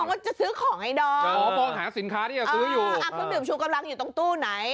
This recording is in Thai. อ๊อวน้ำเปลื้มชูกำลังอยู่ตรงตู้ไหน